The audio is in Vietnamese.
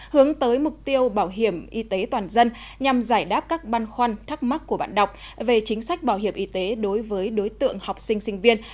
hướng tới mục tiêu bảo hiểm y tế toàn dân nhằm giải đáp các băn khoăn thắc mắc của bạn đọc về chính sách bảo hiểm y tế đối với đối tượng học sinh sinh viên